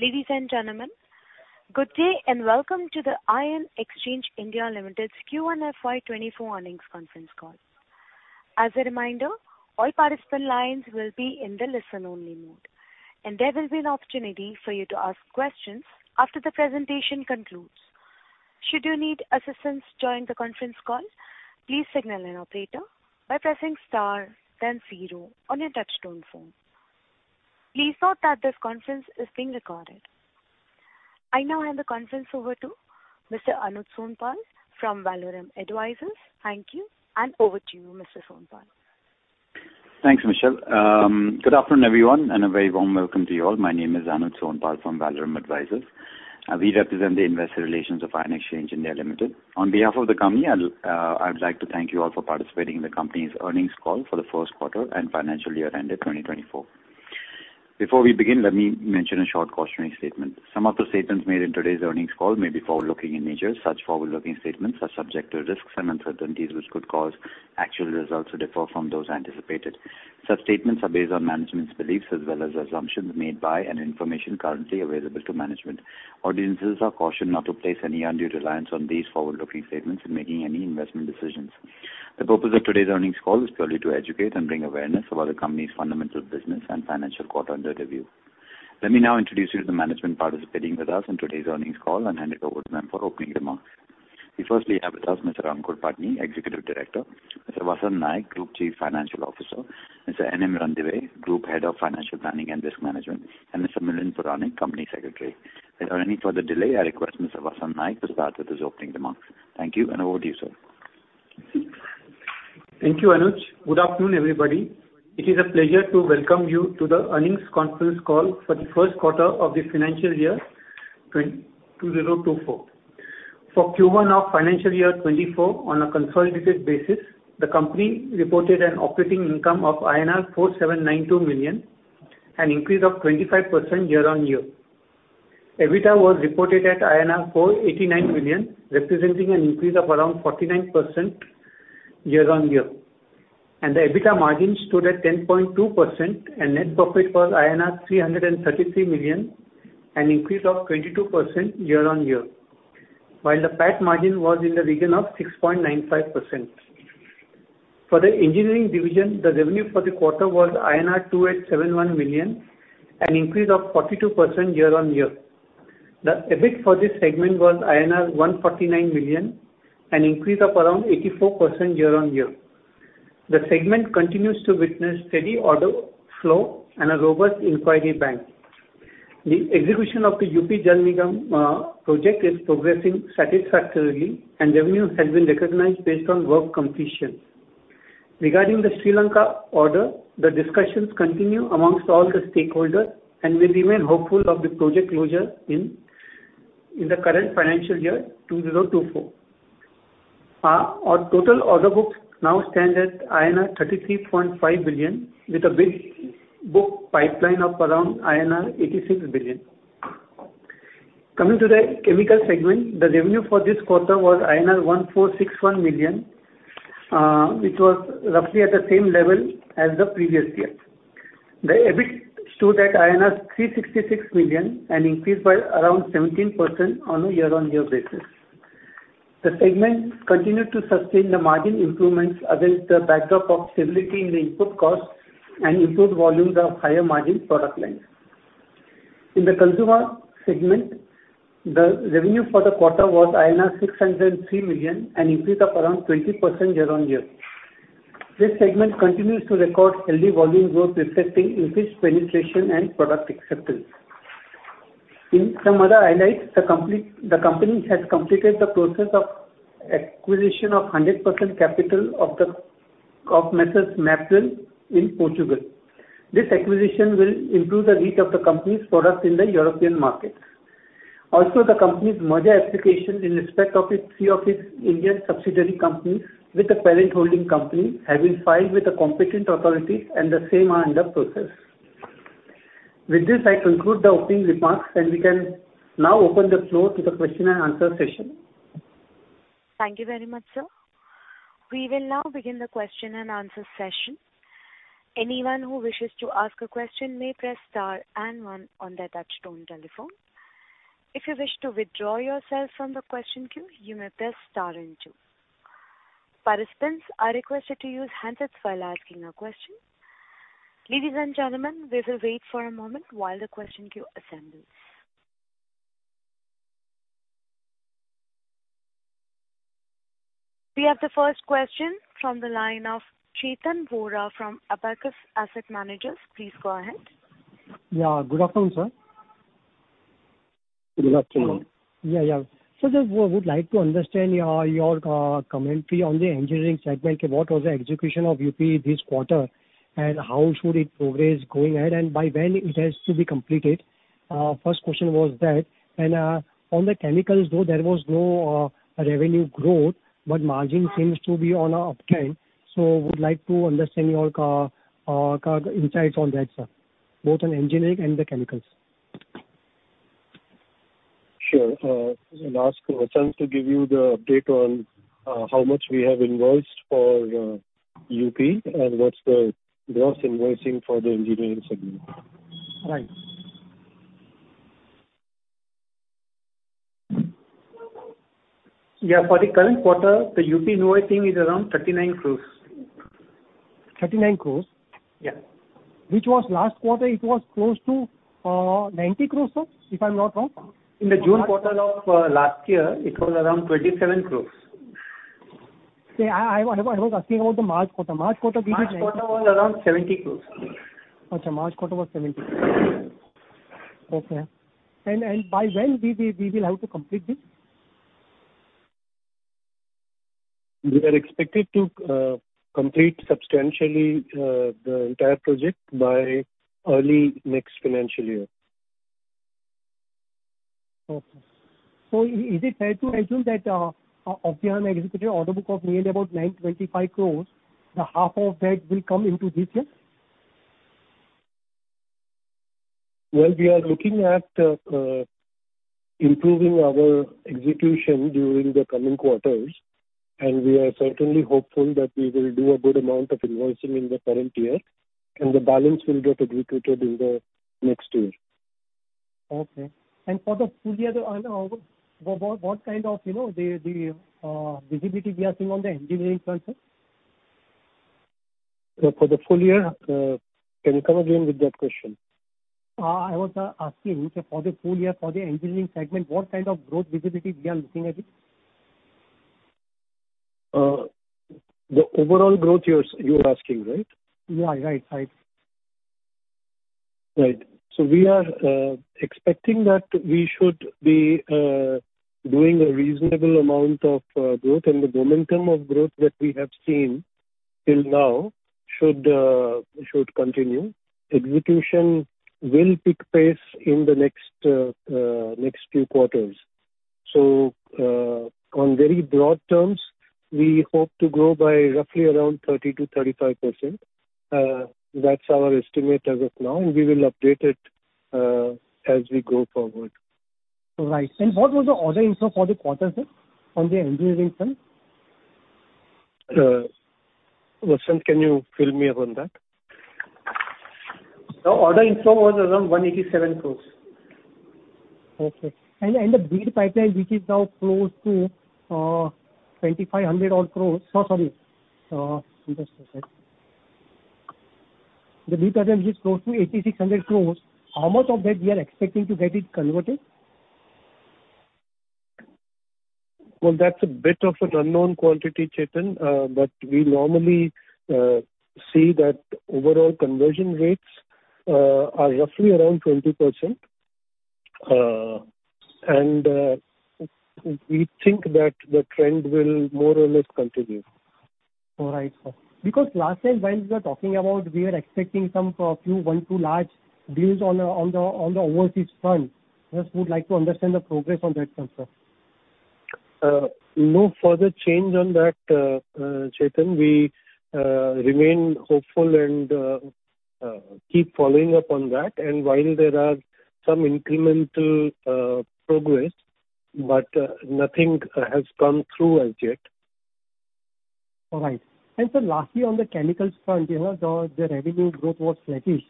Ladies and gentlemen, good day, and welcome to the Ion Exchange (India) Limited's Q1 FY 2024 earnings conference call. As a reminder, all participant lines will be in the listen-only mode, and there will be an opportunity for you to ask questions after the presentation concludes. Should you need assistance during the conference call, please signal an operator by pressing star then zero on your touch-tone phone. Please note that this conference is being recorded. I now hand the conference over to Mr. Anuj Sonpal from Valorem Advisors. Thank you, and over to you, Mr. Sonpal. Thanks, Michelle. Good afternoon, everyone, and a very warm welcome to you all. My name is Anuj Sonpal from Valorem Advisors. We represent the investor relations of Ion Exchange (India) Limited. On behalf of the company, I'd like to thank you all for participating in the company's earnings call for the first quarter and financial year ended 2024. Before we begin, let me mention a short cautionary statement. Some of the statements made in today's earnings call may be forward-looking in nature. Such forward-looking statements are subject to risks and uncertainties, which could cause actual results to differ from those anticipated. Such statements are based on management's beliefs as well as assumptions made by and information currently available to management. Audiences are cautioned not to place any undue reliance on these forward-looking statements in making any investment decisions. The purpose of today's earnings call is purely to educate and bring awareness about the company's fundamental business and financial quarter under review. Let me now introduce you to the management participating with us in today's earnings call and hand it over to them for opening remarks. We firstly have with us Mr. Aankur Patni, Executive Director, Mr. Vasant Naik, Group Chief Financial Officer, Mr. Nandkumar Ranadive, Group Head of Financial Planning and Risk Management, and Mr. Milind Puranik, Company Secretary. Without any further delay, I request Mr. Vasant Naik to start with his opening remarks. Thank you, and over to you, sir. Thank you, Anuj. Good afternoon, everybody. It is a pleasure to welcome you to the earnings conference call for the first quarter of the financial year 2024. For Q1 of financial year 2024, on a consolidated basis, the company reported an operating income of INR 4,792 million, an increase of 25% year-over-year. EBITDA was reported at 489 million INR, representing an increase of around 49% year-over-year. The EBITDA margin stood at 10.2%, and net profit was INR 333 million, an increase of 22% year-over-year. While the PAT margin was in the region of 6.95%. For the engineering division, the revenue for the quarter was INR 2,871 million, an increase of 42% year-over-year. The EBIT for this segment was INR 149 million, an increase of around 84% year-over-year. The segment continues to witness steady order flow and a robust inquiry bank. The execution of the UP Jal Nigam project is progressing satisfactorily, and revenue has been recognized based on work completion. Regarding the Sri Lanka order, the discussions continue amongst all the stakeholders, and we remain hopeful of the project closure in the current financial year, 2024. Our total order books now stand at INR 33.5 billion, with a big book pipeline of around INR 86 billion. Coming to the chemical segment, the revenue for this quarter was INR 1,461 million, which was roughly at the same level as the previous year. The EBIT stood at INR 366 million, an increase by around 17% on a year-on-year basis. The segment continued to sustain the margin improvements against the backdrop of stability in the input cost and improved volumes of higher margin product lines. In the consumer segment, the revenue for the quarter was INR 603 million, an increase of around 20% year-on-year. This segment continues to record healthy volume growth, reflecting increased penetration and product acceptance. In some other highlights, the company has completed the process of acquisition of 100% capital of MAPRIL in Portugal. This acquisition will improve the reach of the company's products in the European market. The company's merger application in respect of three of its Indian subsidiary companies with the parent holding company have been filed with the competent authorities, and the same are under process. With this, I conclude the opening remarks, and we can now open the floor to the question and answer session. Thank you very much, sir. We will now begin the question and answer session. Anyone who wishes to ask a question may press star and one on their touchtone telephone. If you wish to withdraw yourself from the question queue, you may press star and two. Participants are requested to use handsets while asking a question. Ladies and gentlemen, we will wait for a moment while the question queue assembles. We have the first question from the line of Chetan Vora from Abakkus Asset Manager LLP. Please go ahead. Yeah. Good afternoon, sir. Good afternoon. Sir, I would like to understand your commentary on the engineering segment. What was the execution of UP this quarter, and how should it progress going ahead, and by when it has to be completed? First question was that. On the chemicals, though, there was no revenue growth, but margin seems to be on an uptick. Would like to understand your insights on that, sir, both on engineering and the chemicals. Sure. I'll ask Vasant to give you the update on how much we have invoiced for UP and what's the gross invoicing for the engineering segment. Right. For the current quarter, the UP invoicing is around ₹39 crores. 39 crores? Yeah. Which was last quarter, it was close to 90 crores, if I'm not wrong. In the June quarter of last year, it was around 27 crores. I was asking about the March quarter. March quarter was around INR 70 crores. Okay. March quarter was INR 70 crores. Okay. By when we will have to complete this? We are expected to complete substantially the entire project by early next financial year. Okay. Is it fair to assume that of the unexecuted order book of nearly about 925 crores, half of that will come into this year? Well, we are looking at improving our execution during the coming quarters, and we are certainly hopeful that we will do a good amount of invoicing in the current year, and the balance will get executed in the next year. Okay. For the full year, what kind of visibility we are seeing on the engineering front, sir? For the full year, can you come again with that question? I was asking, sir, for the full year, for the engineering segment, what kind of growth visibility we are looking at it? The overall growth you are asking, right? Yeah. Right. Right. We are expecting that we should be doing a reasonable amount of growth, and the momentum of growth that we have seen till now should continue. Execution will pick pace in the next few quarters. On very broad terms, we hope to grow by roughly around 30%-35%. That's our estimate as of now. We will update it as we go forward. Right. What was the order inflow for the quarter, sir, on the engineering front? Vasant, can you fill me in on that? The order inflow was around 187 crores. Okay. The bid pipeline which is close to 8,600 crores, how much of that we are expecting to get it converted? Well, that's a bit of an unknown quantity, Chetan, but we normally see that overall conversion rates are roughly around 20%. We think that the trend will more or less continue. All right, sir. Last time while we were talking about, we are expecting some one, two large deals on the overseas front. Just would like to understand the progress on that front, sir. No further change on that, Chetan. We remain hopeful and keep following up on that. While there are some incremental progress, but nothing has come through as yet. All right. Sir, lastly, on the chemicals front, the revenue growth was flattish,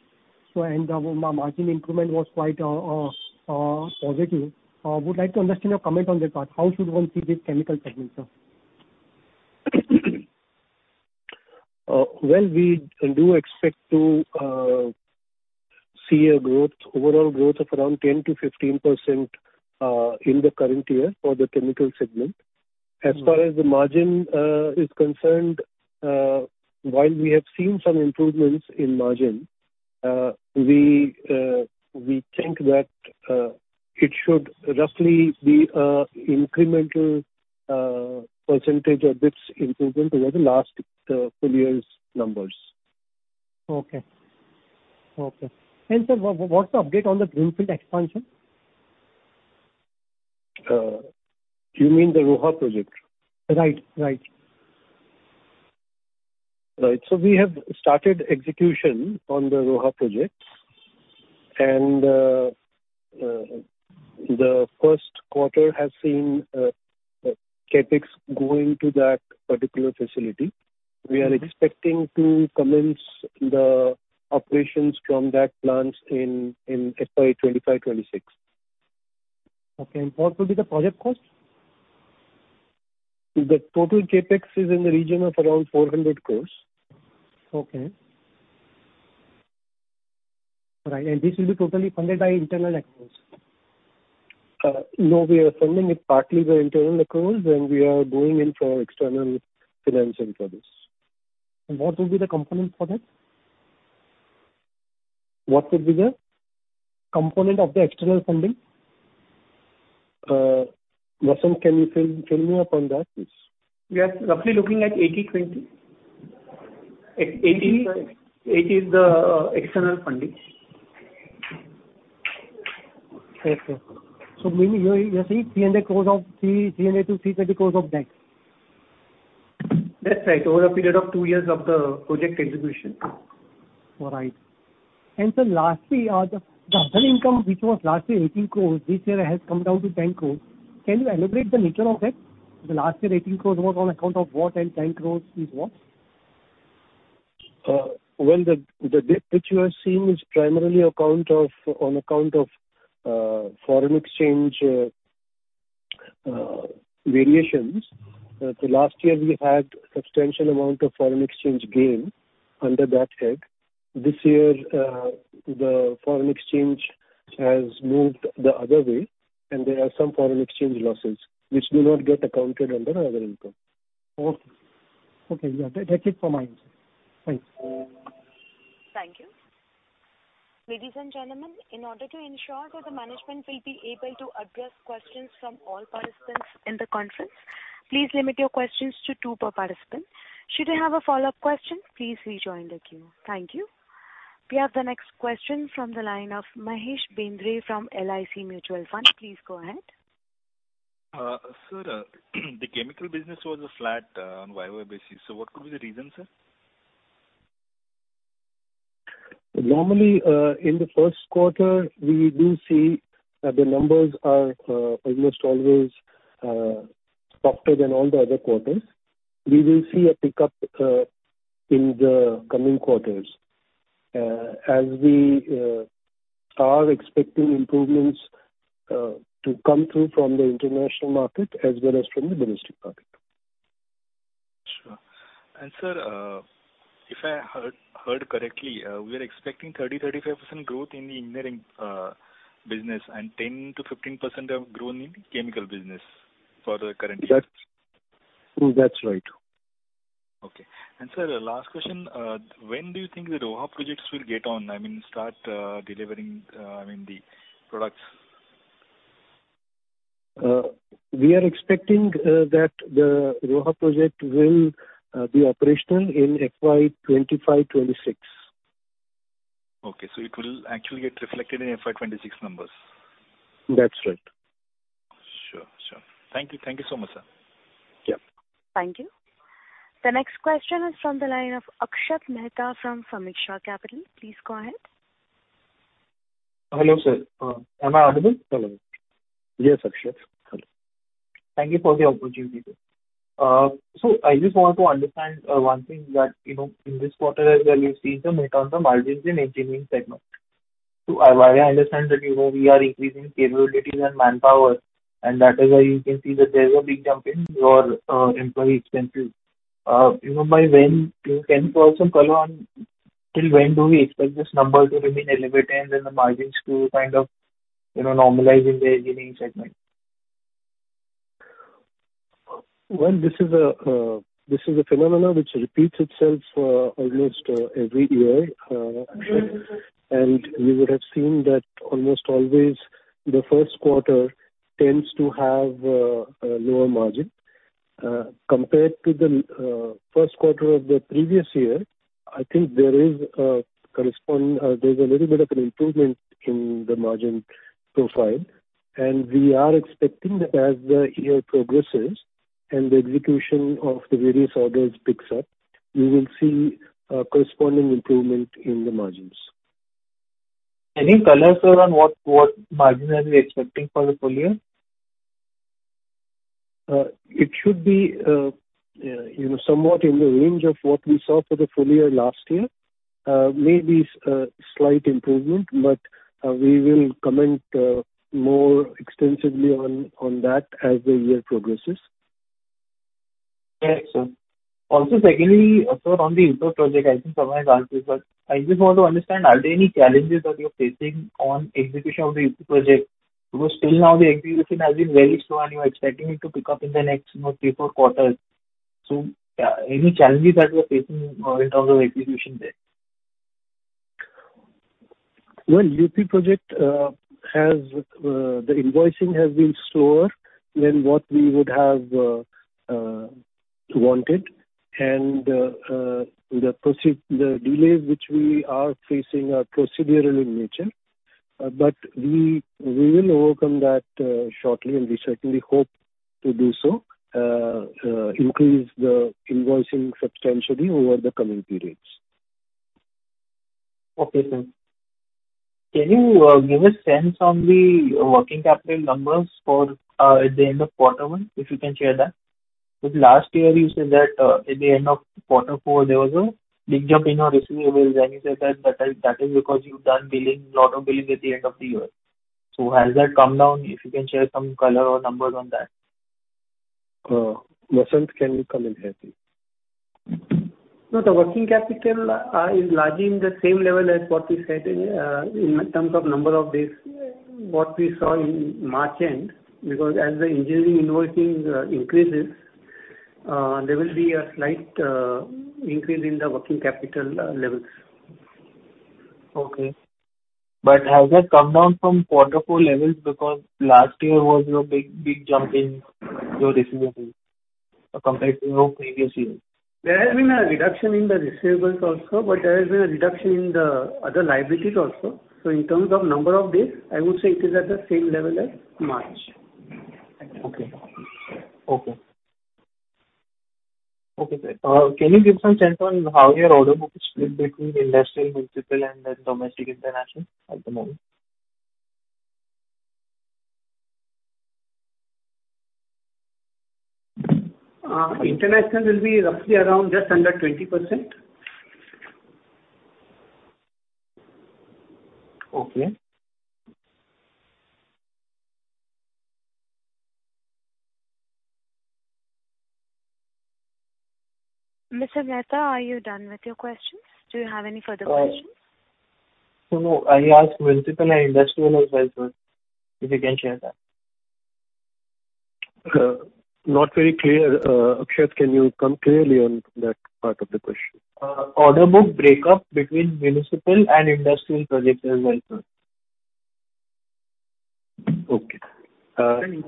and the margin improvement was quite positive. Would like to understand your comment on that part. How should one see this chemical segment, sir? Well, we do expect to see an overall growth of around 10%-15% in the current year for the chemical segment. As far as the margin is concerned, while we have seen some improvements in margin, we think that it should roughly be incremental percentage of this improvement over the last full year's numbers. Okay. Sir, what's the update on the greenfield expansion? You mean the Roha project? Right. Right. We have started execution on the Roha project. The first quarter has seen Capex going to that particular facility. We are expecting to commence the operations from that plant in FY 2025-2026. Okay. What will be the project cost? The total Capex is in the region of around 400 crores. Okay. All right. This will be totally funded by internal accruals? No, we are funding it partly by internal accruals, and we are going in for external financing for this. What would be the component for that? What would be the? Component of the external funding. Vasant, can you fill me in on that, please? We are roughly looking at 80/20. 80 is the external funding. Okay. mainly you are saying 300 crores-330 crores of that. That's right. Over a period of two years of the project execution. All right. sir, lastly, the other income which was lastly 18 crores, this year has come down to 10 crores. Can you elaborate the nature of it? The last year 18 crores was on account of what and 10 crores is what? Well, the dip that you are seeing is primarily on account of foreign exchange variations. Last year, we had substantial amount of foreign exchange gain under that head. This year, the foreign exchange has moved the other way, and there are some foreign exchange losses which do not get accounted under other income. Okay. Yeah. That is fine, sir. Thanks. Thank you. Ladies and gentlemen, in order to ensure that the management will be able to address questions from all participants in the conference, please limit your questions to two per participant. Should you have a follow-up question, please rejoin the queue. Thank you. We have the next question from the line of Mahesh Bendre from LIC Mutual Fund. Please go ahead. Sir, the chemical business was flat on YOY basis. What could be the reason, sir? Normally, in the first quarter, we do see that the numbers are almost always softer than all the other quarters. We will see a pickup in the coming quarters, as we are expecting improvements to come through from the international market as well as from the domestic market. Sure. Sir, if I heard correctly, we are expecting 30%-35% growth in the engineering business and 10%-15% growth in chemical business for the current year. That's right. Okay. Sir, last question, when do you think the Roha projects will get on, I mean, start delivering the products? We are expecting that the Roha project will be operational in FY 2025-2026. Okay. It will actually get reflected in FY 2026 numbers. That's right. Sure. Thank you so much, sir. Yeah. Thank you. The next question is from the line of Akshat Mehta from Sameeksha Capital. Please go ahead. Hello, sir. Am I audible? Hello. Yes, Akshat. Hello. Thank you for the opportunity, sir. I just want to understand one thing that in this quarter as well, you've seen the hit on the margins in engineering segment. I understand that we are increasing capabilities and manpower, and that is why you can see that there's a big jump in your employee expenses. Can you throw some color on till when do we expect this number to remain elevated and then the margins to kind of normalize in the engineering segment? Well, this is a phenomena which repeats itself almost every year. Sure. You would have seen that almost always the first quarter tends to have a lower margin. Compared to the first quarter of the previous year, I think there is a little bit of an improvement in the margin profile, and we are expecting that as the year progresses and the execution of the various orders picks up, we will see a corresponding improvement in the margins. Any color, sir, on what margin are we expecting for the full year? It should be somewhat in the range of what we saw for the full year last year. Maybe slight improvement, but we will comment more extensively on that as the year progresses. Yes, sir. Secondly, sir, on the UP Jal Nigam project, I think Samrat asked this, but I just want to understand, are there any challenges that you're facing on execution of the UP Jal Nigam project? Because till now the execution has been very slow, and you are expecting it to pick up in the next three, four quarters. Any challenges that you are facing in terms of execution there? Well, UTIL project, the invoicing has been slower than what we would have wanted. The delays which we are facing are procedural in nature. We will overcome that shortly and we certainly hope to do so, increase the invoicing substantially over the coming periods. Okay, sir. Can you give a sense on the working capital numbers at the end of quarter one, if you can share that? Last year you said that at the end of quarter four, there was a big jump in your receivables. You said that is because you've done a lot of billing at the end of the year. Has that come down? If you can share some color or numbers on that. Vasant, can you come in here please? No, the working capital is largely in the same level as what we said in terms of number of days, what we saw in March end. As the engineering invoicing increases, there will be a slight increase in the working capital levels. Okay. Has that come down from quarter four levels because last year was your big jump in your receivables compared to your previous year. There has been a reduction in the receivables also, but there has been a reduction in the other liabilities also. In terms of number of days, I would say it is at the same level as March. Okay. Okay, sir. Can you give some sense on how your order book is split between industrial, municipal, and then domestic, international at the moment? International will be roughly around just under 20%. Okay. Mr. Mehta, are you done with your questions? Do you have any further questions? No. I asked municipal and industrial as well, sir, if you can share that. Not very clear. Akshat, can you come clearly on that part of the question? Order book breakup between municipal and industrial projects as well, sir. Okay.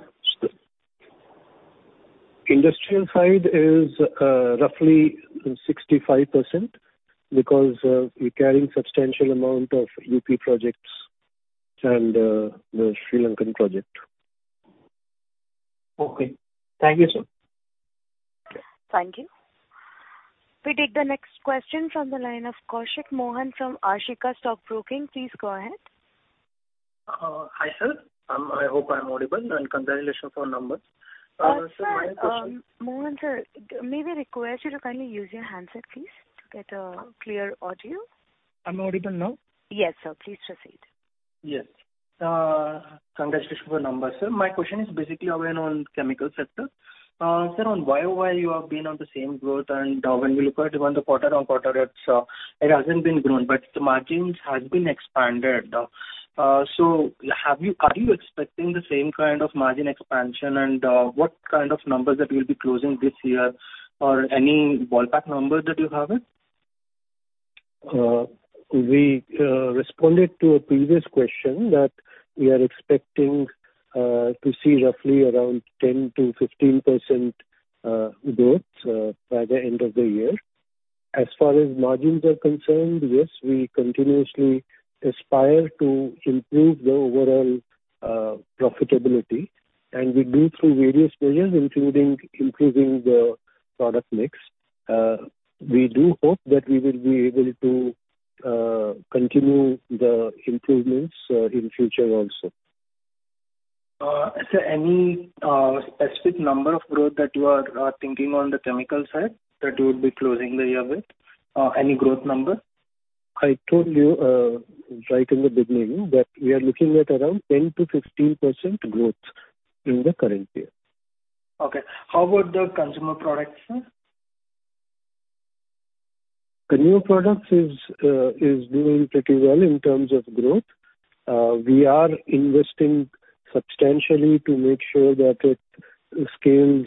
Industrial side is roughly 65%, because we're carrying a substantial amount of UP projects and the Sri Lankan project. Okay. Thank you, sir. Thank you. We take the next question from the line of Koushik Mohan from Ashika Stock Broking. Please go ahead. Hi, sir. I hope I'm audible. Congratulations for numbers. Sir, Mohan, sir. May we request you to kindly use your handset, please, to get a clear audio. I'm audible now? Yes, sir. Please proceed. Yes. Congratulations for numbers, sir. My question is basically around chemical sector. Sir, on year-over-year, you have been on the same growth and when we look at it on the quarter-over-quarter rates, it hasn't been growing, but the margins has been expanded. Are you expecting the same kind of margin expansion and what kind of numbers that you'll be closing this year, or any ballpark number that you have it? We responded to a previous question that we are expecting to see roughly around 10%-15% growth by the end of the year. As far as margins are concerned, yes, we continuously aspire to improve the overall profitability, and we do through various measures, including improving the product mix. We do hope that we will be able to continue the improvements in future also. Sir, any specific number of growth that you are thinking on the chemical side that you would be closing the year with? Any growth number? I told you right in the beginning that we are looking at around 10%-15% growth in the current year. Okay. How about the consumer products, sir? Consumer products is doing pretty well in terms of growth. We are investing substantially to make sure that it scales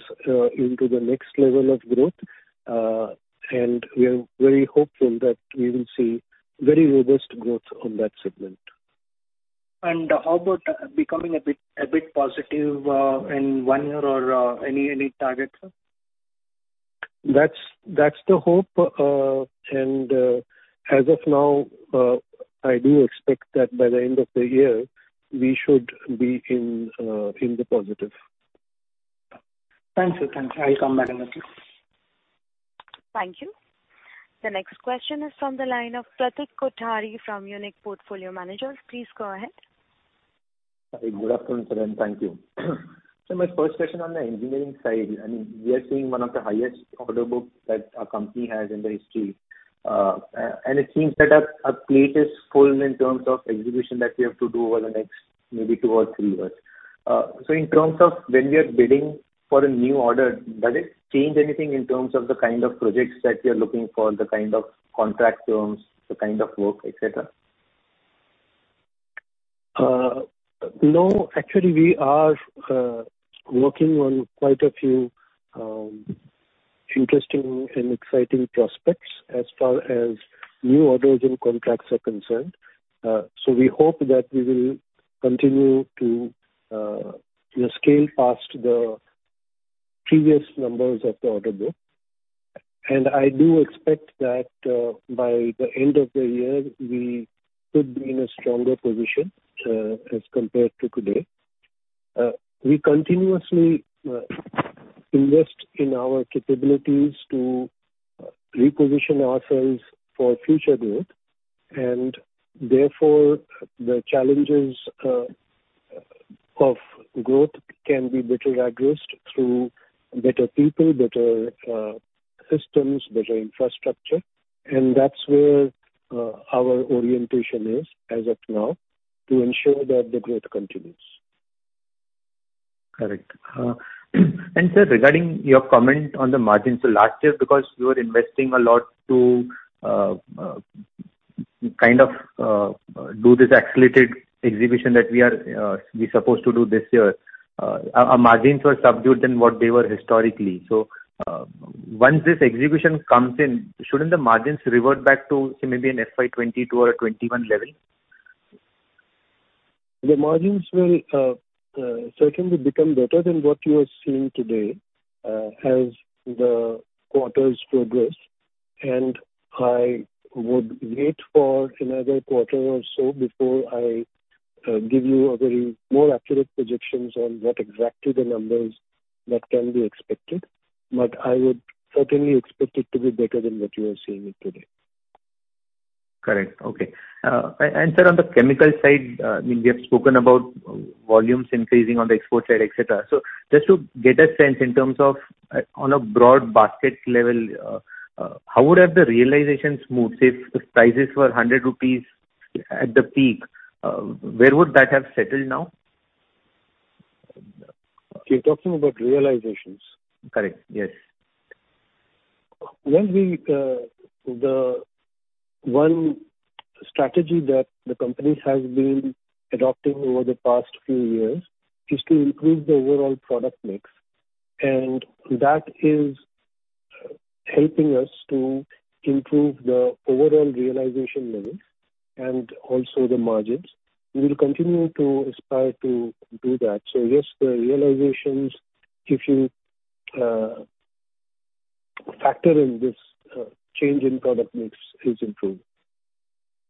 into the next level of growth, and we are very hopeful that we will see very robust growth on that segment. How about becoming a bit positive in one year or any targets? That's the hope and as of now, I do expect that by the end of the year, we should be in the positive. Thanks, sir. I'll come back in the queue. Thank you. The next question is from the line of Pratik Kothari from UniQ Portfolio Managers. Please go ahead. Good afternoon, sir, and thank you. Sir, my first question on the engineering side, we are seeing one of the highest order books that our company has in the history. It seems that our plate is full in terms of execution that we have to do over the next maybe two or three years. In terms of when we are bidding for a new order, does it change anything in terms of the kind of projects that we are looking for, the kind of contract terms, the kind of work, et cetera? No. Actually, we are working on quite a few interesting and exciting prospects as far as new orders and contracts are concerned. We hope that we will continue to scale past the previous numbers of the order book. I do expect that by the end of the year, we could be in a stronger position as compared to today. We continuously invest in our capabilities to reposition ourselves for future growth, therefore, the challenges of growth can be better addressed through better people, better systems, better infrastructure, that's where our orientation is as at now to ensure that the growth continues. Correct. Sir, regarding your comment on the margins, last year, because you were investing a lot to kind of do this accelerated exhibition that we're supposed to do this year, our margins were subdued than what they were historically. Once this exhibition comes in, shouldn't the margins revert back to, say, maybe an FY 2022 or a FY 2021 level? The margins will certainly become better than what you are seeing today as the quarters progress. I would wait for another quarter or so before I give you a very more accurate projections on what exactly the numbers that can be expected. I would certainly expect it to be better than what you are seeing it today. Correct. Okay. Sir, on the chemical side, we have spoken about volumes increasing on the export side, et cetera. Just to get a sense in terms of on a broad basket level, how would have the realizations moved? If prices were 100 rupees at the peak, where would that have settled now? You're talking about realizations? Correct. Yes. One strategy that the company has been adopting over the past few years is to improve the overall product mix, that is helping us to improve the overall realization levels and also the margins. We will continue to aspire to do that. Yes, the realizations, if you factor in this change in product mix, is improved.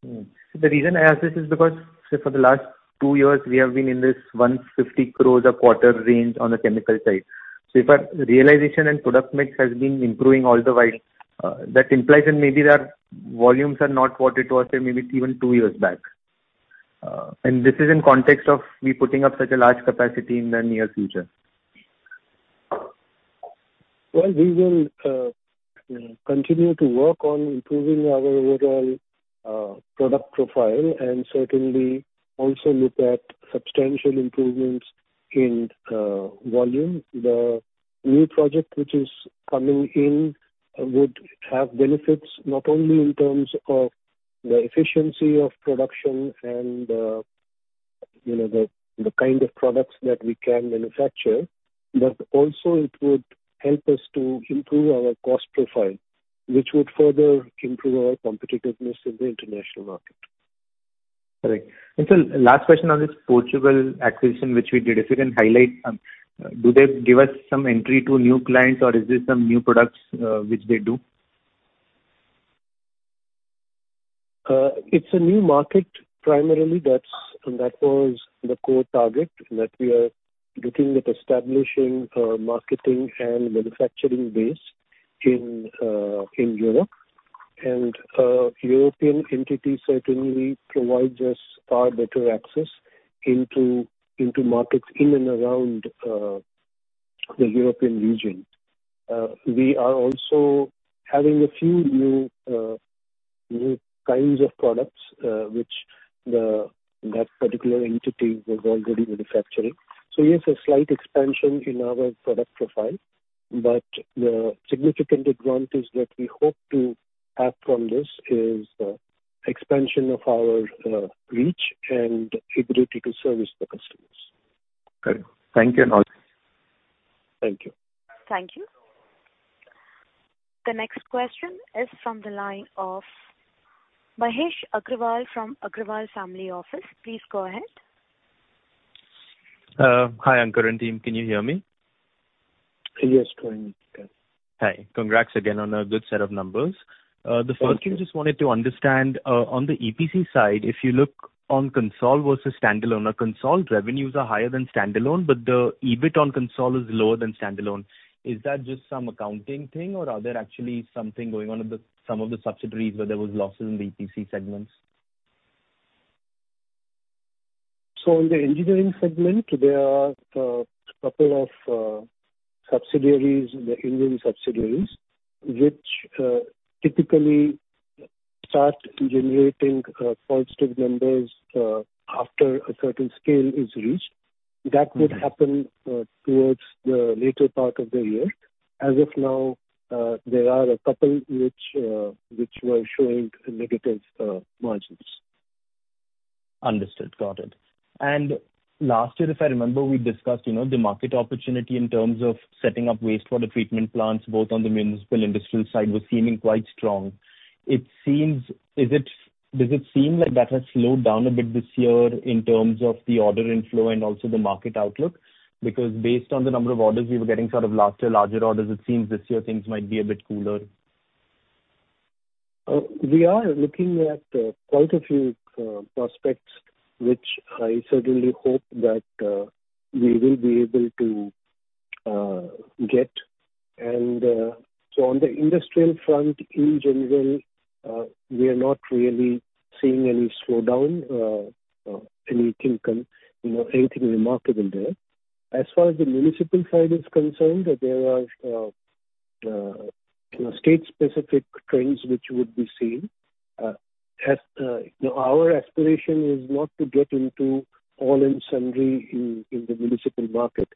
The reason I ask this is because, say, for the last two years, we have been in this 150 crore a quarter range on the chemical side. If realization and product mix has been improving all the while, that implies that maybe that volumes are not what it was, say maybe even two years back. This is in context of we putting up such a large capacity in the near future. Well, we will continue to work on improving our overall product profile and certainly also look at substantial improvements in volume. The new project which is coming in would have benefits, not only in terms of the efficiency of production and the kind of products that we can manufacture, but also it would help us to improve our cost profile, which would further improve our competitiveness in the international market. Correct. Sir, last question on this Portugal acquisition which we did. If you can highlight, do they give us some entry to new clients or is this some new products which they do? It's a new market, primarily that was the core target that we are looking at establishing a marketing and manufacturing base in Europe. A European entity certainly provides us far better access into markets in and around the European region. We are also having a few new kinds of products which that particular entity was already manufacturing. Yes, a slight expansion in our product profile, but the significant advantage that we hope to have from this is the expansion of our reach and ability to service the customers. Correct. Thank you. Thank you. Thank you. The next question is from the line of Mahesh Agrawal from Agrawal Family Office. Please go ahead. Hi, Aankur and team. Can you hear me? Yes, going okay. Hi. Congrats again on a good set of numbers. Thank you. The first thing I just wanted to understand, on the EPC side, if you look on consolidated versus standalone, our consolidated revenues are higher than standalone. The EBIT on consolidated is lower than standalone. Is that just some accounting thing or are there actually something going on with some of the subsidiaries where there was losses in the EPC segments? In the engineering segment, there are a couple of subsidiaries, the Indian subsidiaries, which typically start generating positive numbers after a certain scale is reached. That would happen towards the later part of the year. As of now, there are a couple which were showing negative margins. Understood. Got it. Last year, if I remember, we discussed the market opportunity in terms of setting up wastewater treatment plants, both on the municipal industrial side, was seeming quite strong. Does it seem like that has slowed down a bit this year in terms of the order inflow and also the market outlook? Based on the number of orders we were getting sort of larger orders, it seems this year things might be a bit cooler. We are looking at quite a few prospects, which I certainly hope that we will be able to get. On the industrial front in general, we are not really seeing any slowdown, anything remarkable there. As far as the municipal side is concerned, there are state specific trends which would be seen. Our aspiration is not to get into all and sundry in the municipal market.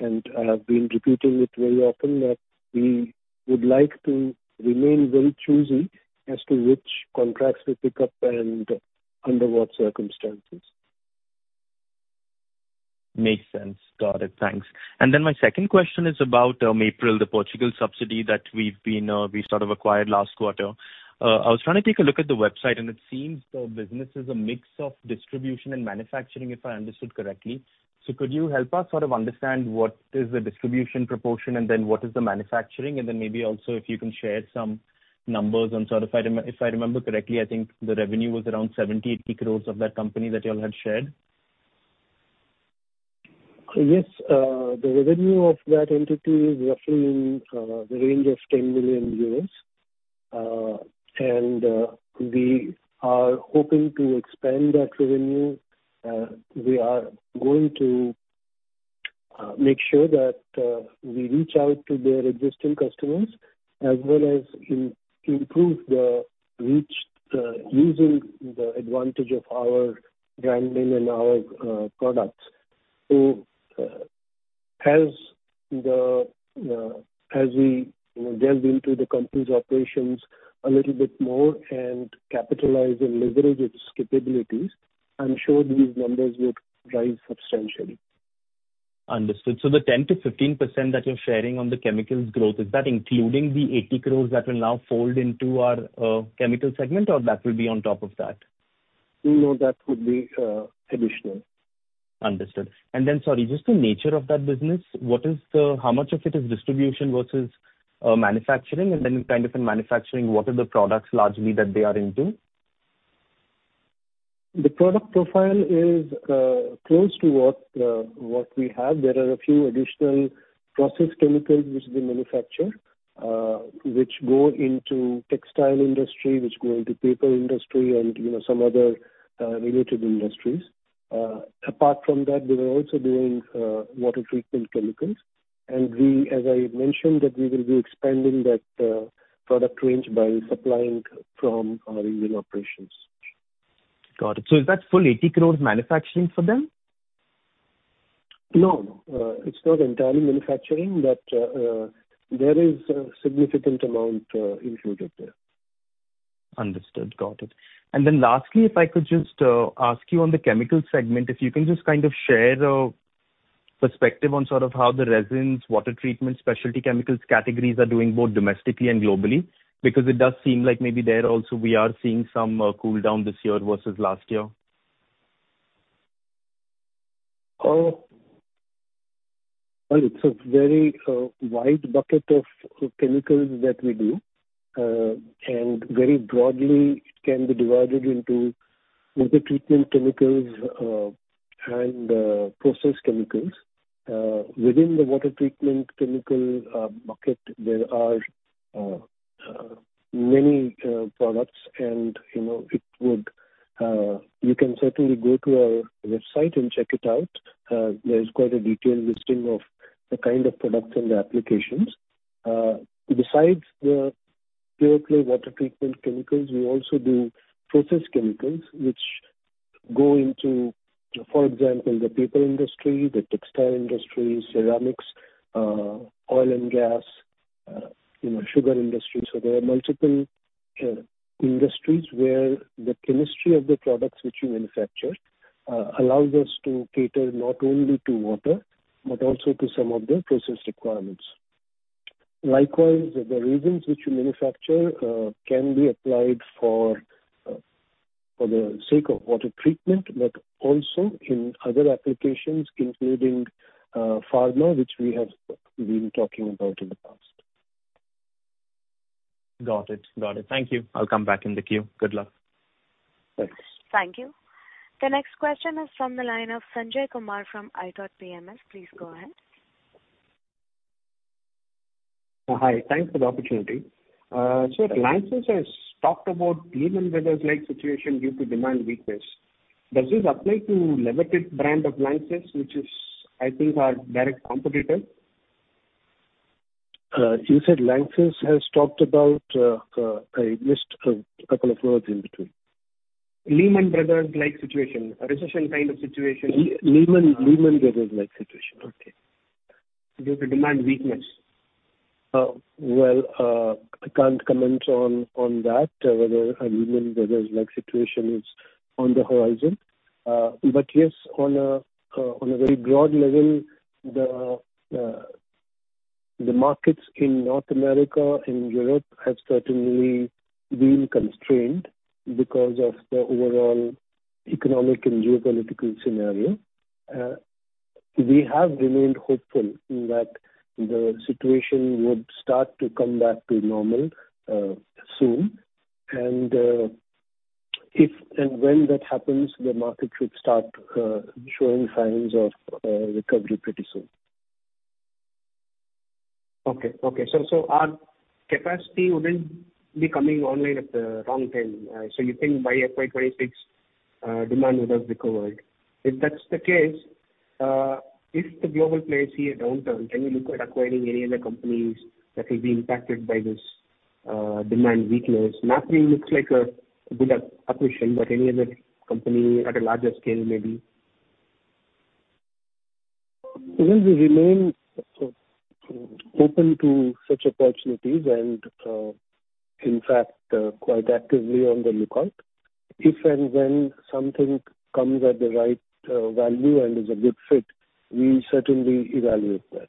I've been repeating it very often that we would like to remain very choosy as to which contracts we pick up and under what circumstances. Makes sense. Got it. Thanks. My second question is about MAPRIL, the Portugal subsidiary that we sort of acquired last quarter. I was trying to take a look at the website, and it seems the business is a mix of distribution and manufacturing, if I understood correctly. Could you help us sort of understand what is the distribution proportion and what is the manufacturing? Maybe also if you can share some numbers on, if I remember correctly, I think the revenue was around 70 crore-80 crore of that company that you all had shared. Yes. The revenue of that entity is roughly in the range of 10 million euros, and we are hoping to expand that revenue. We are going to make sure that we reach out to their existing customers as well as improve the reach using the advantage of our branding and our products. As we delve into the company's operations a little bit more and capitalize and leverage its capabilities, I'm sure these numbers would rise substantially. Understood. The 10%-15% that you're sharing on the chemicals growth, is that including the 80 crore that will now fold into our chemical segment or that will be on top of that? No, that would be additional. Understood. Sorry, just the nature of that business, how much of it is distribution versus manufacturing? Kind of in manufacturing, what are the products largely that they are into? The product profile is close to what we have. There are a few additional process chemicals which they manufacture, which go into textile industry, which go into paper industry and some other related industries. Apart from that, they were also doing water treatment chemicals. As I mentioned, that we will be expanding that product range by supplying from our Indian operations. Got it. Is that full 80 crores manufacturing for them? No, it's not entirely manufacturing, but there is a significant amount included there. Understood. Got it. Lastly, if I could just ask you on the chemical segment, if you can just kind of share a perspective on sort of how the resins, water treatment, specialty chemicals categories are doing both domestically and globally. Because it does seem like maybe there also we are seeing some cooldown this year versus last year. Well, it's a very wide bucket of chemicals that we do, very broadly it can be divided into water treatment chemicals and process chemicals. Within the water treatment chemical bucket, there are many products, you can certainly go to our website and check it out. There's quite a detailed listing of the kind of products and the applications. Besides the pure play water treatment chemicals, we also do process chemicals, which go into, for example, the paper industry, the textile industry, ceramics, oil and gas, sugar industry. There are multiple industries where the chemistry of the products which we manufacture allows us to cater not only to water, but also to some of the process requirements. Likewise, the resins which we manufacture can be applied for the sake of water treatment, but also in other applications, including pharma, which we have been talking about in the past. Got it. Thank you. I'll come back in the queue. Good luck. Thanks. Thank you. The next question is from the line of Sanjay Kumar from i. PMS. Please go ahead. Hi. Thanks for the opportunity. Sure. Sir, Lanxess has talked about Lehman Brothers-like situation due to demand weakness. Does this apply to Lewatit brand of Lanxess, which is, I think, our direct competitor? You said Lanxess has talked about I missed a couple of words in between. Lehman Brothers-like situation. A recession kind of situation. Lehman Brothers-like situation. Okay. Due to demand weakness. Well, I can't comment on that, whether a Lehman Brothers-like situation is on the horizon. Yes, on a very broad level, the markets in North America and Europe have certainly been constrained because of the overall economic and geopolitical scenario. We have remained hopeful that the situation would start to come back to normal soon. If and when that happens, the market should start showing signs of recovery pretty soon. Okay. Our capacity wouldn't be coming online at the wrong time. You think by FY 2026, demand would have recovered. If that's the case, if the global players see a downturn, can you look at acquiring any other companies that will be impacted by this demand weakness? MAPRIL looks like a good acquisition, but any other company at a larger scale, maybe. Well, we remain open to such opportunities and, in fact, quite actively on the lookout. If and when something comes at the right value and is a good fit, we certainly evaluate that.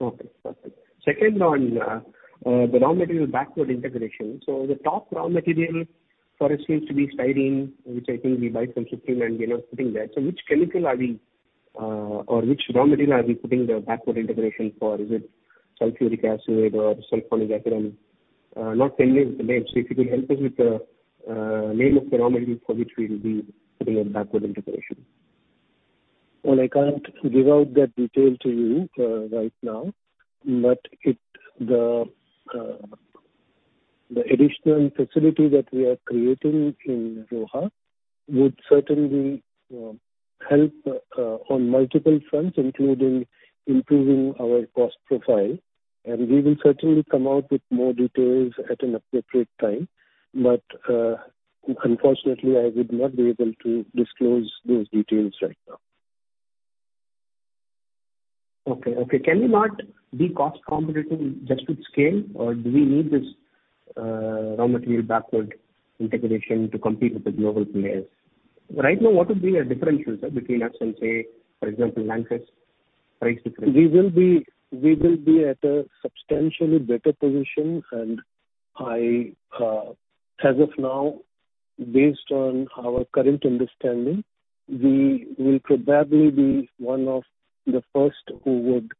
Okay, perfect. Second on the raw material backward integration. The top raw material for us seems to be styrene, which I think we buy from 15 and we are now sitting there. Which chemical are we, or which raw material are we putting the backward integration for? Is it sulfuric acid or sulfonic acid? I am not familiar with the names, so if you could help us with the name of the raw material for which we will be putting a backward integration. Well, I can't give out that detail to you right now. The additional facility that we are creating in Roha would certainly help on multiple fronts, including improving our cost profile. We will certainly come out with more details at an appropriate time. Unfortunately, I would not be able to disclose those details right now. Okay. Can we not be cost competitive just with scale, or do we need this raw material backward integration to compete with the global players? Right now, what would be our differentiators between us and, say, for example, Lanxess price difference? We will be at a substantially better position. As of now, based on our current understanding, we will probably be one of the first who would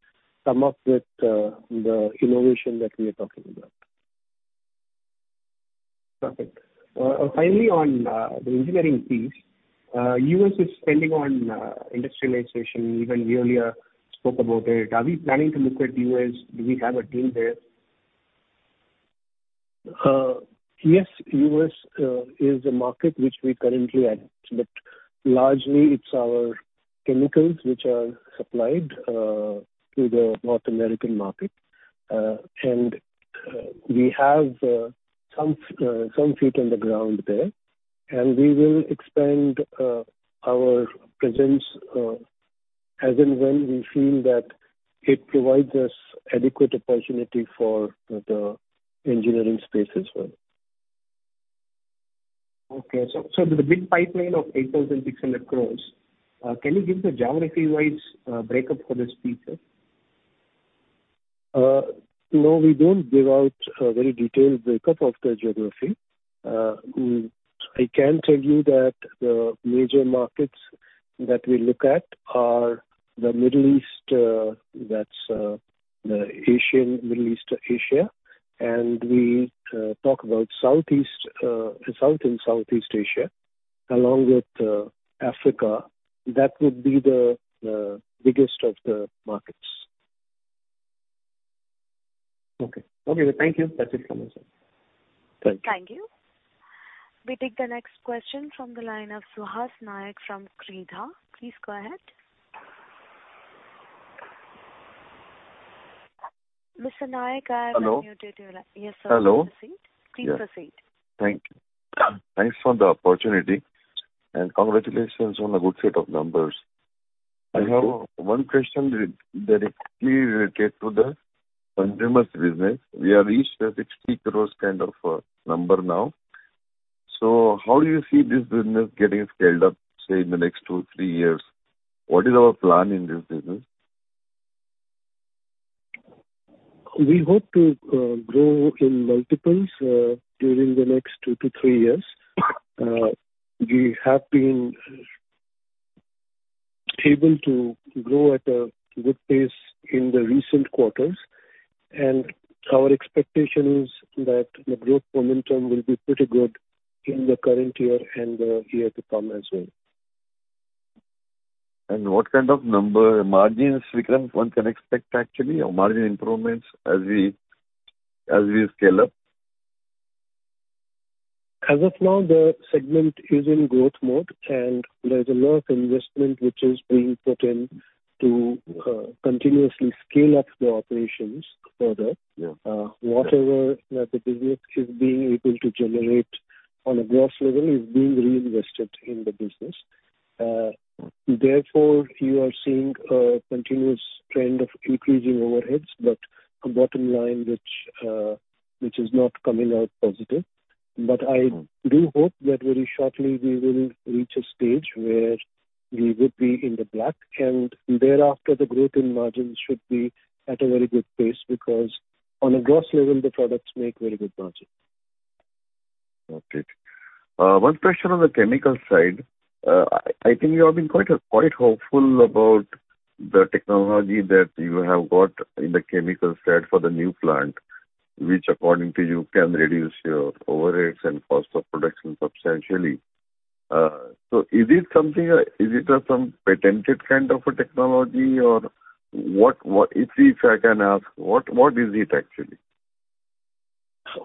come up with the innovation that we are talking about. Perfect. Finally, on the engineering piece. U.S. is spending on industrialization. Even we earlier spoke about it. Are we planning to look at U.S.? Do we have a team there? Yes. U.S. is a market which we currently aren't, but largely it's our chemicals which are supplied to the North American market. We have some feet on the ground there. We will expand our presence as and when we feel that it provides us adequate opportunity for the engineering space as well. Okay. The big pipeline of 8,600 crores, can you give the geography-wise breakup for this, please, sir? No, we don't give out a very detailed breakup of the geography. I can tell you that the major markets that we look at are the Middle East, that's the Asian, Middle East Asia. We talk about South and Southeast Asia along with Africa. That would be the biggest of the markets. Okay. Thank you. That's it from my side. Thank you. Thank you. We take the next question from the line of Suhas Naik from Kreedha. Please go ahead. Mr. Naik, I have unmuted your line. Hello. Yes, sir. Hello. Please proceed. Thank you. Thanks for the opportunity, and congratulations on a good set of numbers. Thank you. I have one question directly related to the consumers business. We have reached an 60 crore kind of a number now. How you see this business getting scaled up, say, in the next two, three years? What is our plan in this business? We hope to grow in multiples during the next two to three years. We have been able to grow at a good pace in the recent quarters. Our expectation is that the growth momentum will be pretty good in the current year and the year to come as well. What kind of number margins, Vikram, one can expect actually, or margin improvements as we scale up? As of now, the segment is in growth mode. There's a lot of investment which is being put in to continuously scale up the operations further. Yeah. Whatever the business is being able to generate on a gross level is being reinvested in the business. You are seeing a continuous trend of increasing overheads but a bottom line which is not coming out positive. I do hope that very shortly we will reach a stage where we would be in the black, and thereafter the growth in margins should be at a very good pace because on a gross level, the products make very good margins. Okay. One question on the chemical side. I think you have been quite hopeful about the technology that you have got in the chemical side for the new plant, which according to you can reduce your overheads and cost of production substantially. Is it some patented kind of a technology? If I can ask, what is it actually?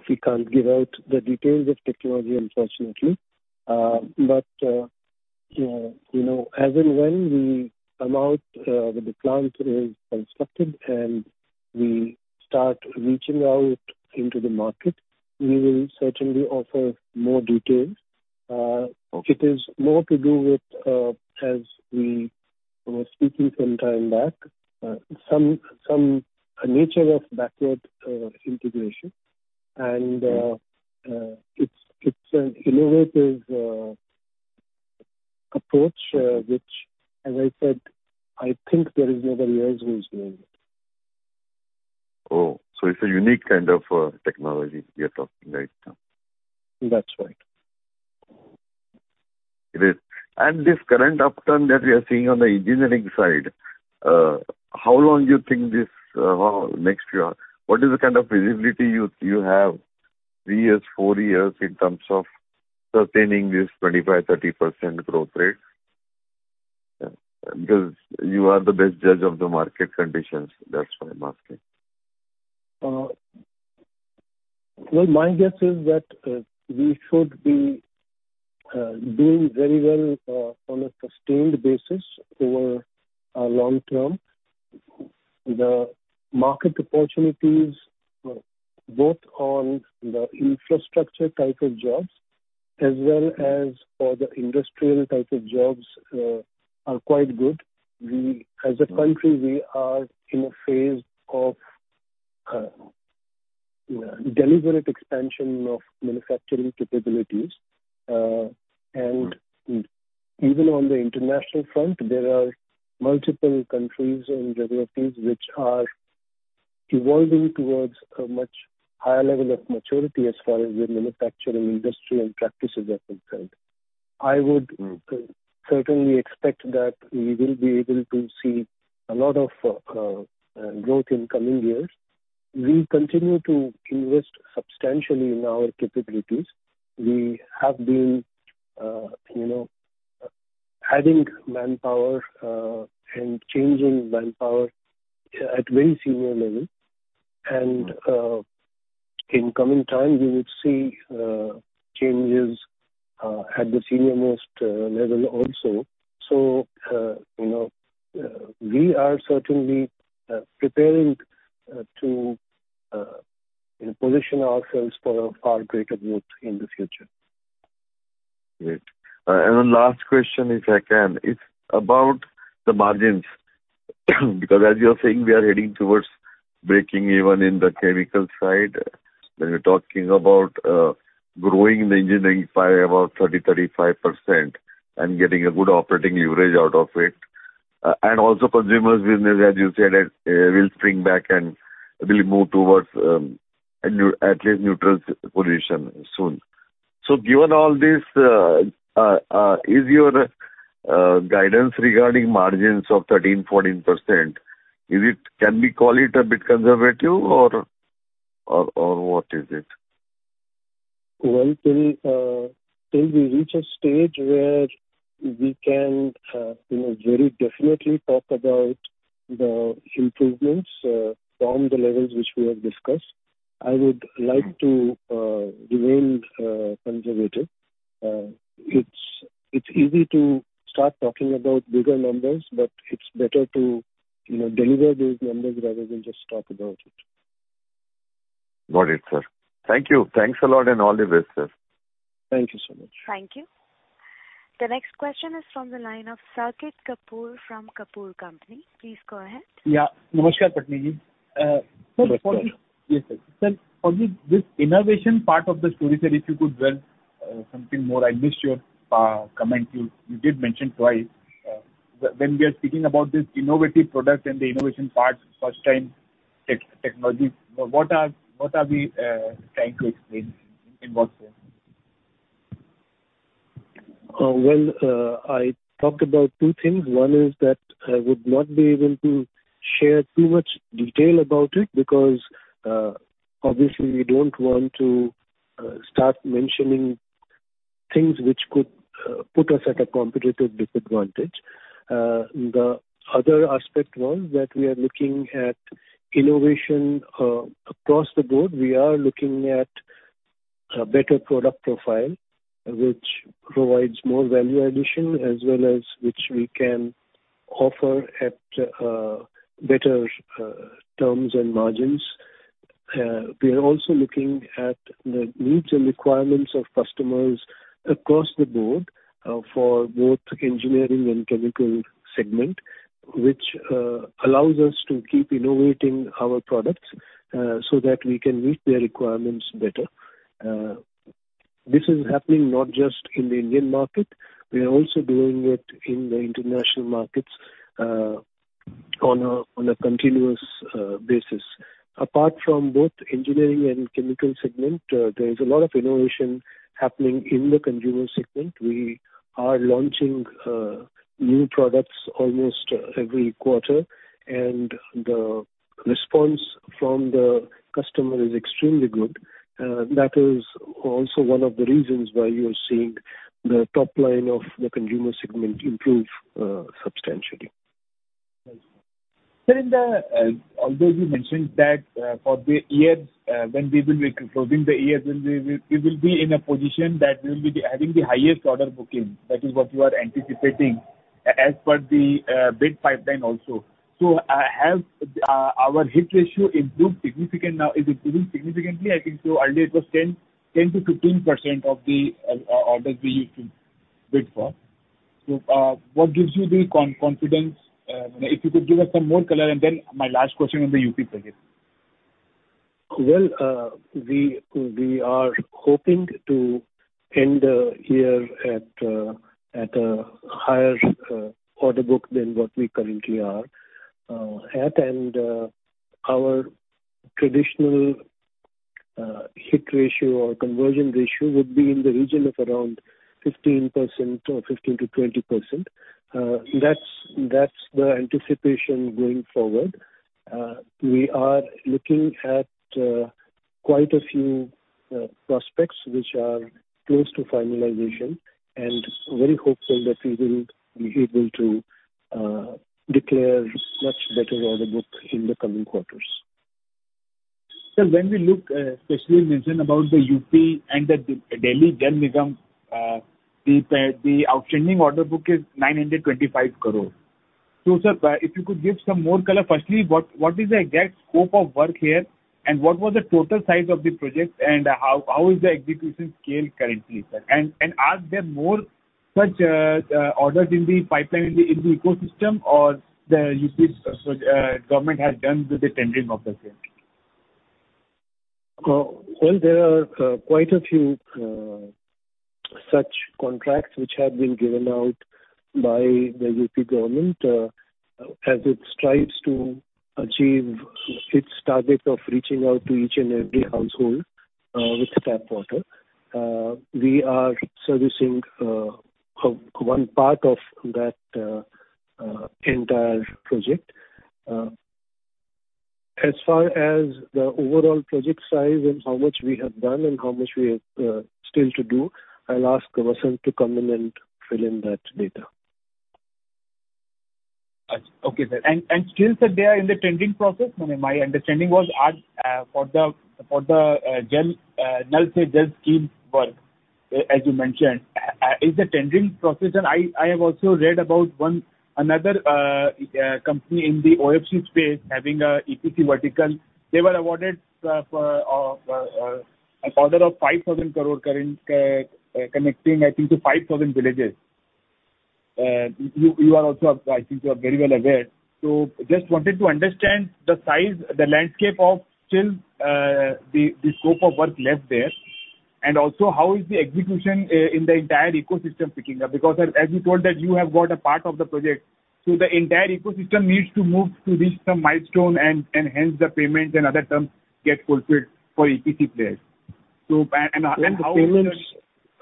We can't give out the details of technology, unfortunately. As and when we come out with the plant is constructed and we start reaching out into the market, we will certainly offer more details. Okay. It is more to do with, as we were speaking some time back, some nature of backward integration. Yeah. It's an innovative approach, which as I said, I think there is nobody else who is doing it. It's a unique kind of technology we are talking right now. That's right. Great. This current upturn that we are seeing on the engineering side, how long you think this next year? What is the kind of visibility you have, three years, four years, in terms of sustaining this 25%-30% growth rate? Because you are the best judge of the market conditions. That's why I'm asking. Well, my guess is that we should be doing very well on a sustained basis over a long term. The market opportunities, both on the infrastructure type of jobs as well as for the industrial type of jobs, are quite good. As a country, we are in a phase of deliberate expansion of manufacturing capabilities. Right. Even on the international front, there are multiple countries and geographies which are evolving towards a much higher level of maturity as far as their manufacturing industry and practices are concerned. I certainly expect that we will be able to see a lot of growth in coming years. We continue to invest substantially in our capabilities. We have been adding manpower and changing manpower at very senior level. In coming time, we would see changes at the senior-most level also. We are certainly preparing to position ourselves for far greater growth in the future. Great. The last question, if I can. It's about the margins because as you're saying, we are heading towards breaking even in the chemical side, when you're talking about growing the engineering by about 30%-35% and getting a good operating leverage out of it. Also consumers business, as you said, will spring back and will move towards at least neutral position soon. Given all this, is your guidance regarding margins of 13%-14%, can we call it a bit conservative or what is it? Well, till we reach a stage where we can very definitely talk about the improvements from the levels which we have discussed, I would like to remain conservative. It's easy to start talking about bigger numbers, but it's better to deliver those numbers rather than just talk about it. Got it, sir. Thank you. Thanks a lot. All the best, sir. Thank you so much. Thank you. The next question is from the line of Circuit Kapur from Kapur Company. Please go ahead. Yeah. Namaskar, Pattni ji. Namaskar. Yes, sir. Sir, for this innovation part of the story, sir, if you could dwell something more. I missed your comment. You did mention twice. When we are speaking about this innovative product and the innovation part, first time technologies, what are we trying to explain, in what way? Well, I talked about two things. One is that I would not be able to share too much detail about it because, obviously we don't want to start mentioning things which could put us at a competitive disadvantage. The other aspect was that we are looking at innovation across the board. We are looking at a better product profile, which provides more value addition as well as which we can offer at better terms and margins. We are also looking at the needs and requirements of customers across the board for both engineering and chemical segment, which allows us to keep innovating our products so that we can meet their requirements better. This is happening not just in the Indian market. We are also doing it in the international markets on a continuous basis. Apart from both engineering and chemical segment, there is a lot of innovation happening in the consumer segment. We are launching new products almost every quarter, and the response from the customer is extremely good. That is also one of the reasons why you are seeing the top line of the consumer segment improve substantially. Right. Sir, although you mentioned that for the year, when we will be closing the year, we will be in a position that we will be having the highest order booking. That is what you are anticipating as per the bid pipeline also. Has our hit ratio improved significantly now? Is it improved significantly? I think earlier it was 10%-15% of the orders we used to bid for. What gives you the confidence? If you could give us some more color, my last question on the UP project. Well, we are hoping to end the year at a higher order book than what we currently are at. Our traditional hit ratio or conversion ratio would be in the region of around 15% or 15%-20%. That's the anticipation going forward. We are looking at quite a few prospects, which are close to finalization, and very hopeful that we will be able to declare much better order book in the coming quarters. Sir, when we look, especially mention about the UP and the Delhi Jal Nigam, the outstanding order book is 925 crore. Sir, if you could give some more color. Firstly, what is the exact scope of work here, and what was the total size of the project, and how is the execution scale currently, sir? Are there more such orders in the pipeline in the ecosystem, or the UP government has done with the tendering of the same? Well, there are quite a few such contracts which have been given out by the UP government, as it strives to achieve its target of reaching out to each and every household with tap water. We are servicing one part of that entire project. As far as the overall project size and how much we have done and how much we have still to do, I'll ask Vasant to come in and fill in that data. Okay, sir. Still, sir, they are in the tendering process? My understanding was as for the Har Ghar Nal Se Jal scheme work, as you mentioned. Is the tendering process? I have also read about another company in the OFC space having an EPC vertical. They were awarded an order of 5,000 crore current connecting, I think, to 5,000 villages. I think you are very well aware. Just wanted to understand the size, the landscape of still the scope of work left there, and also how is the execution in the entire ecosystem picking up. As you told that you have got a part of the project, the entire ecosystem needs to move to reach some milestone, and hence the payments and other terms get fulfilled for EPC players. How-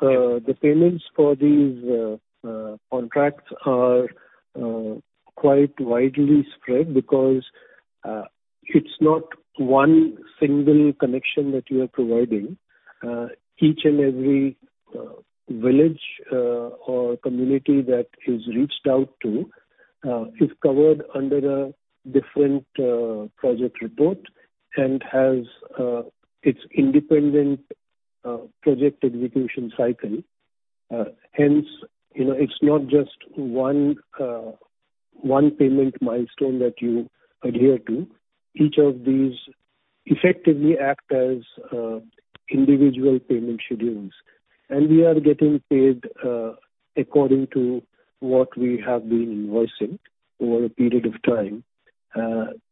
The payments for these contracts are quite widely spread because it's not one single connection that you are providing. Each and every village or community that is reached out to is covered under a different project report and has its independent project execution cycle. It's not just one payment milestone that you adhere to. Each of these effectively act as individual payment schedules. We are getting paid according to what we have been invoicing over a period of time.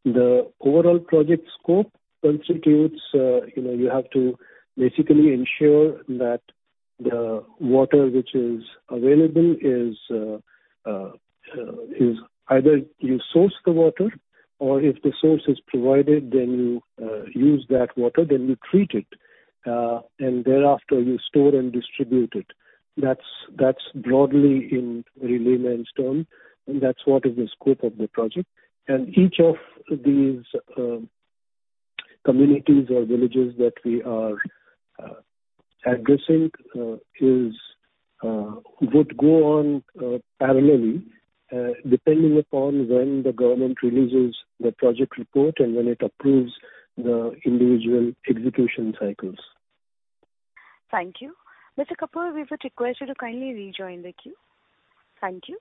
The overall project scope constitutes, you have to basically ensure that the water which is available is either you source the water, or if the source is provided, then you use that water, then you treat it, and thereafter you store and distribute it. That's broadly in very layman's terms, and that's what is the scope of the project. Each of these communities or villages that we are addressing would go on parallelly, depending upon when the government releases the project report and when it approves the individual execution cycles. Thank you. Mr. Kapoor, we would request you to kindly rejoin the queue. Thank you.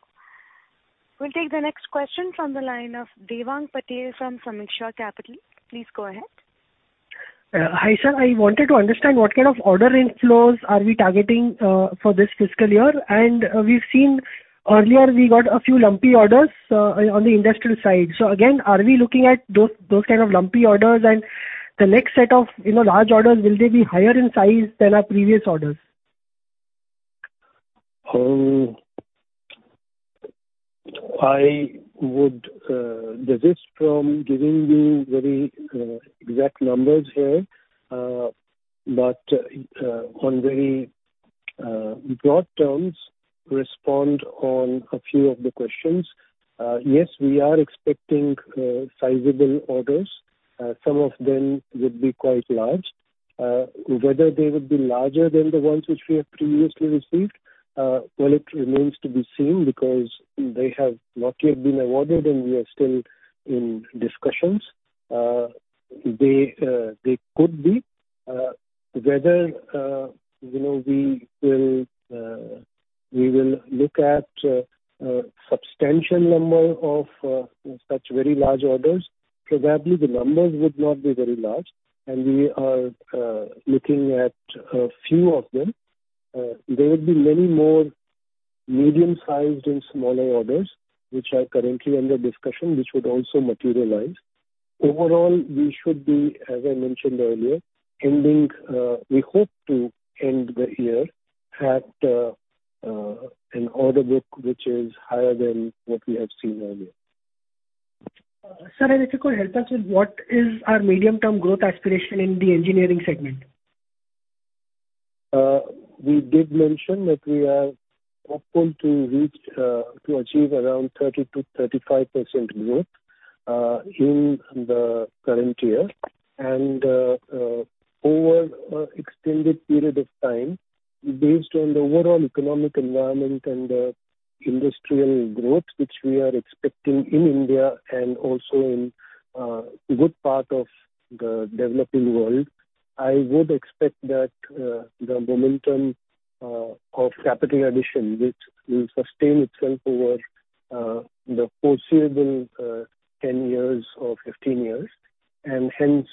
We'll take the next question from the line of Devang Patel from Sameeksha Capital. Please go ahead. Hi, sir. I wanted to understand what kind of order inflows are we targeting for this fiscal year. We've seen earlier we got a few lumpy orders on the industrial side. Again, are we looking at those kind of lumpy orders? The next set of large orders, will they be higher in size than our previous orders? I would desist from giving you very exact numbers here. On very broad terms, respond on a few of the questions. Yes, we are expecting sizable orders. Some of them would be quite large. Whether they would be larger than the ones which we have previously received, well, it remains to be seen because they have not yet been awarded, and we are still in discussions. They could be. Whether we will look at substantial number of such very large orders, probably the numbers would not be very large, and we are looking at a few of them. There would be many more medium-sized and smaller orders, which are currently under discussion, which would also materialize. Overall, we should be, as I mentioned earlier, we hope to end the year at an order book which is higher than what we have seen earlier. Sir, if you could help us with what is our medium-term growth aspiration in the engineering segment? We did mention that we are hoping to achieve around 30%-35% growth in the current year. Over an extended period of time, based on the overall economic environment and the industrial growth which we are expecting in India and also in a good part of the developing world, I would expect that the momentum of capital addition, which will sustain itself over the foreseeable 10 years or 15 years, and hence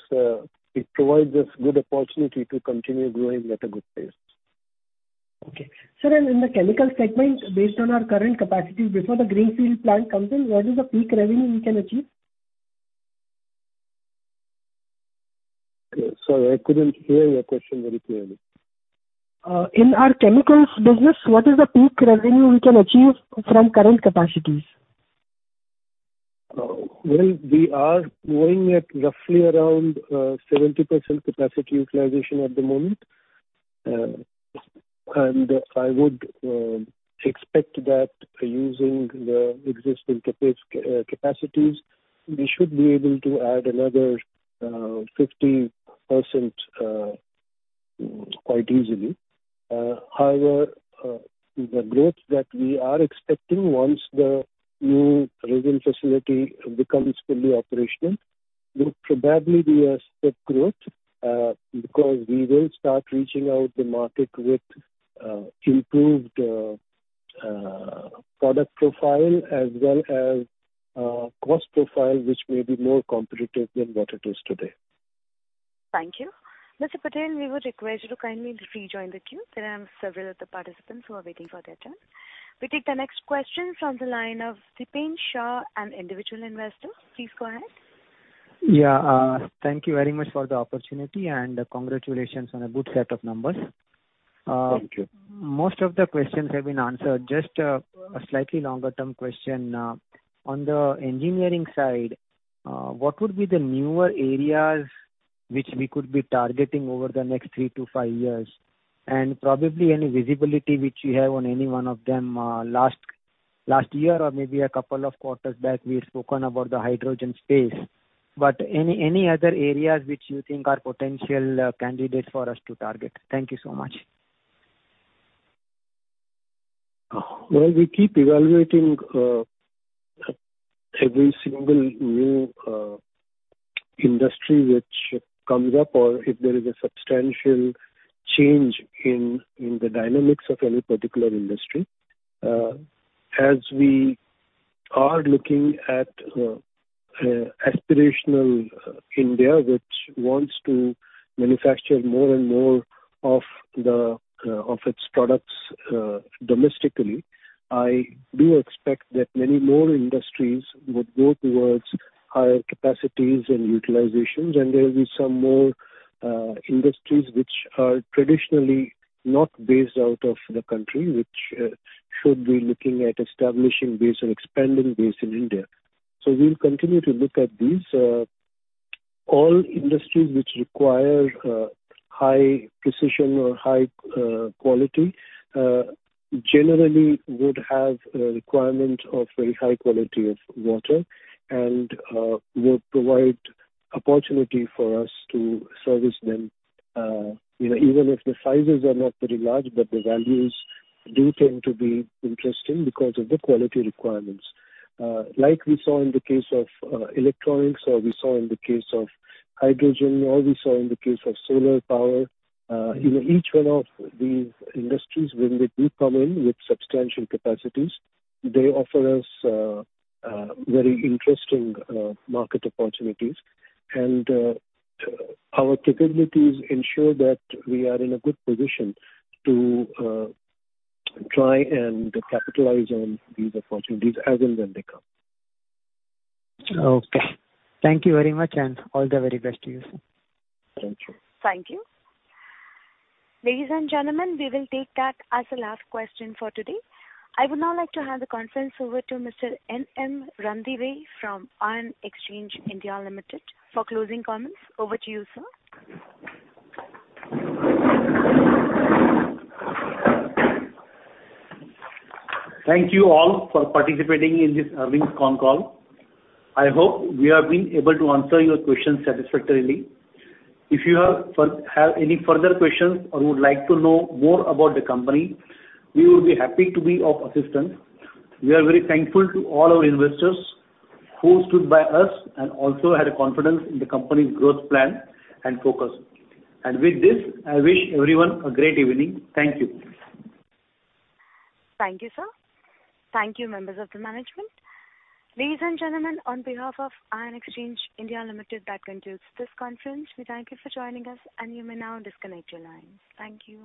it provides us good opportunity to continue growing at a good pace. Okay. Sir, in the chemical segment, based on our current capacity before the greenfield plant comes in, what is the peak revenue we can achieve? Sorry, I couldn't hear your question very clearly. In our chemicals business, what is the peak revenue we can achieve from current capacities? Well, we are moving at roughly around 70% capacity utilization at the moment. I would expect that using the existing capacities, we should be able to add another 50% quite easily. However, the growth that we are expecting once the new resin facility becomes fully operational will probably be a step growth, because we will start reaching out the market with improved product profile as well as cost profile, which may be more competitive than what it is today. Thank you. Mr. Patel, we would request you to kindly rejoin the queue. There are several other participants who are waiting for their turn. We take the next question from the line of Dipen Shah, an individual investor. Please go ahead. Yeah. Thank you very much for the opportunity and congratulations on a good set of numbers. Thank you. Most of the questions have been answered. Just a slightly longer-term question. On the engineering side, what would be the newer areas which we could be targeting over the next three to five years? Probably any visibility which you have on any one of them. Last year or maybe a couple of quarters back, we had spoken about the hydrogen space. Any other areas which you think are potential candidates for us to target? Thank you so much. Well, we keep evaluating every single new industry which comes up, or if there is a substantial change in the dynamics of any particular industry. As we are looking at aspirational India, which wants to manufacture more and more of its products domestically, I do expect that many more industries would go towards higher capacities and utilizations, and there will be some more industries which are traditionally not based out of the country, which should be looking at establishing base and expanding base in India. We'll continue to look at these. All industries which require high precision or high quality generally would have a requirement of very high quality of water and would provide opportunity for us to service them. Even if the sizes are not very large, but the values do tend to be interesting because of the quality requirements. Like we saw in the case of electronics, or we saw in the case of hydrogen, or we saw in the case of solar power. Each one of these industries, when they do come in with substantial capacities, they offer us very interesting market opportunities. Our capabilities ensure that we are in a good position to try and capitalize on these opportunities as and when they come. Okay. Thank you very much and all the very best to you, sir. Thank you. Thank you. Ladies and gentlemen, we will take that as the last question for today. I would now like to hand the conference over to Mr. Nandkumar Ranadive from Ion Exchange (India) Limited for closing comments. Over to you, sir. Thank you all for participating in this earnings con call. I hope we have been able to answer your questions satisfactorily. If you have any further questions or would like to know more about the company, we will be happy to be of assistance. We are very thankful to all our investors who stood by us and also had confidence in the company's growth plan and focus. With this, I wish everyone a great evening. Thank you. Thank you, sir. Thank you, members of the management. Ladies and gentlemen, on behalf of Ion Exchange (India) Limited, that concludes this conference. We thank you for joining us and you may now disconnect your lines. Thank you.